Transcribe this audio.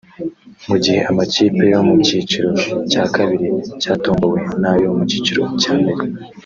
Mu gihe amakipe yo mu cyiciro cya kabiri yatombowe n’ayo mu cyikiro cya mbere